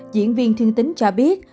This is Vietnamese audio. diễn viên thương tính cho biết